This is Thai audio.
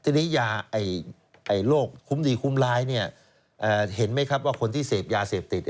ทีนี้ยาโรคคุ้มดีคุ้มร้ายเห็นไหมครับว่าคนที่เสพยาเสพติด